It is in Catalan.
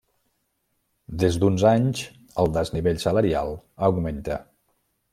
Des d'uns anys, el desnivell salarial augmenta.